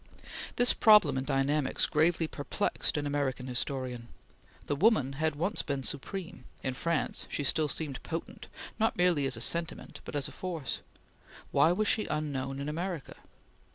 This problem in dynamics gravely perplexed an American historian. The Woman had once been supreme; in France she still seemed potent, not merely as a sentiment, but as a force. Why was she unknown in America?